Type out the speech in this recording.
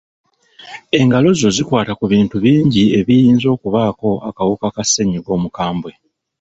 Engalo zo zikwata ku bintu bingi ebiyinza okubaako akawuka ka ssennyiga omukambwe.